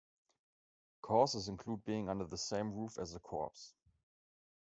Causes include being under the same roof as a corpse.